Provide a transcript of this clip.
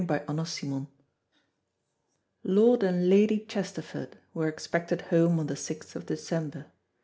CHAPTER FOUR Lord and Lady Chesterford were expected home on the 6th of December.